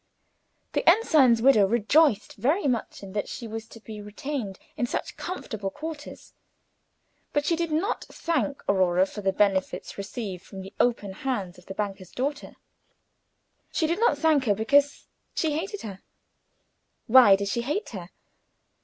The ensign's widow rejoiced very much in that she was to be retained in such comfortable quarters, but she did not thank Aurora for the benefits received from the open hands of the banker's daughter. She did not thank her, because she hated her. Why did she hate her?